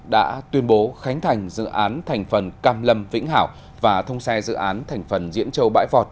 đã tuyên bố khánh thành dự án thành phần cam lâm vĩnh hảo và thông xe dự án thành phần diễn châu bãi vọt